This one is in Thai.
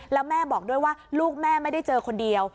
แล้วแม่บอกด้วยว่าลูกแม่ไม่ได้เจอคนเดียว